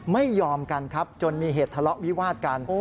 ไม่ยอมกันครับจนมีเหตุทะเลาะวิวาดกัน